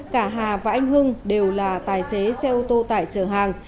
cả hà và anh hưng đều là tài xế xe ô tô tải chở hàng